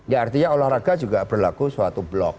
ya artinya olahraga juga berlaku suatu blok